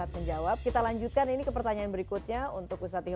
bahwa kita akan kembali ke allah